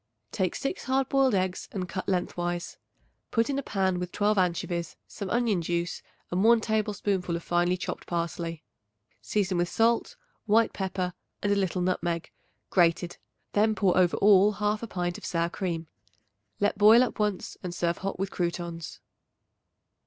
Take 6 hard boiled eggs and cut lengthwise. Put in a pan with 12 anchovies, some onion juice and 1 tablespoonful of finely chopped parsley. Season with salt, white pepper and a little nutmeg, grated. Then pour over all 1/2 pint of sour cream. Let boil up once and serve hot with croutons.